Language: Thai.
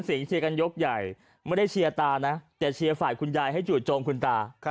เชียร์กันยกใหญ่ไม่ได้เชียร์ตานะแต่เชียร์ฝ่ายคุณยายให้จู่โจมคุณตา